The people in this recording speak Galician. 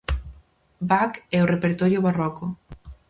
Bach e o repertorio barroco.